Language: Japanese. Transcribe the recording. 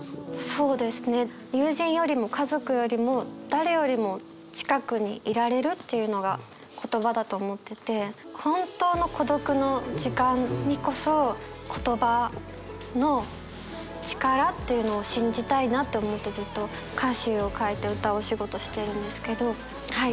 そうですね友人よりも家族よりも誰よりも近くにいられるっていうのが言葉だと思ってて本当の孤独の時間にこそ言葉の力というのを信じたいなって思ってずっと歌詞を書いて歌うお仕事してるんですけどはい。